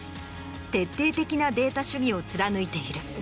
徹底的なデータ主義を貫いている。